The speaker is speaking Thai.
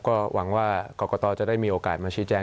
ก็หวังว่ากรกตจะได้มีโอกาสมาชี้แจง